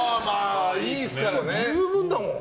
十分だもん。